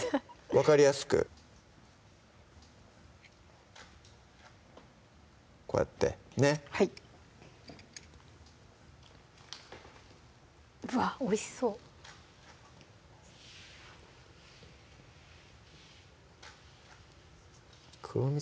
分かりやすくこうやってねはいうわおいしそう黒み